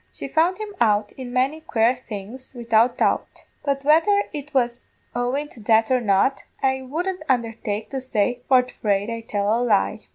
She found him out in many quare things, widout doubt; but whether it was owin' to that or not, I wouldn't undertake to say for fraid I'd tell a lie.